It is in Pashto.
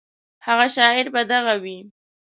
هغه شاعر به دغه وي.